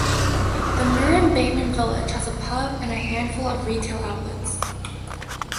The Murrumbateman village has a pub and a handful of retail outlets.